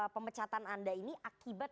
pemecatan anda ini akibat